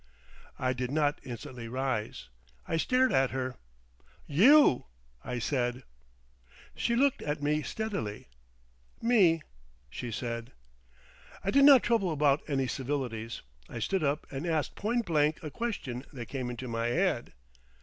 I did not instantly rise. I stared at her. "You!" I said. She looked at me steadily. "Me," she said I did not trouble about any civilities. I stood up and asked point blank a question that came into my head.